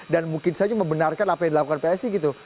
dan mungkin saja membenarkan apa yang dilakukan psi gitu